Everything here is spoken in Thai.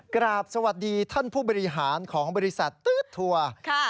กราบสวัสดีท่านผู้บริหารของบริษัทตื๊ดทัวร์